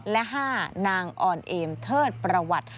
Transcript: และ๕นางอ่อนเอมเทิดประวัติ